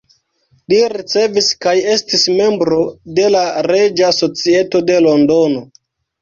Li ricevis kaj estis membro de la Reĝa Societo de Londono.